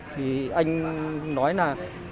thì anh nói là